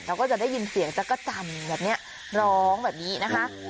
เราก็จะได้ยินเสียงจักรจันอย่างเนี่ยร้องแบบนี้นะคะ